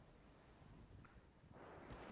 Su capital es la villa de Lara de los Infantes.